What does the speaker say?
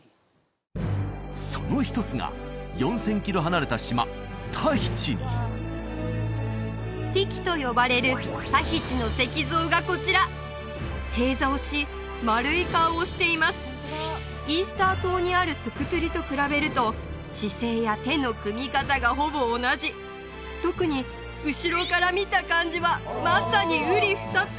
その一つが４０００キロ離れた島タヒチにティキと呼ばれるタヒチの石像がこちら正座をし丸い顔をしていますイースター島にあるトゥクトゥリと比べると姿勢や手の組み方がほぼ同じ特に後ろから見た感じはまさにうり二つ！